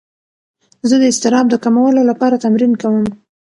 زه د اضطراب د کمولو لپاره تمرین کوم.